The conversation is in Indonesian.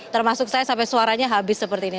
termasuk saya sampai suaranya habis seperti ini